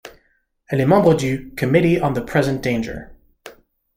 Elle est membre du Committee on the Present Danger.